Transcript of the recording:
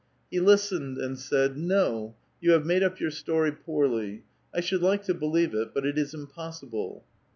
He listened, and said :' No ; you have made up your story poorly. I should like to believe it, but it is impossible.'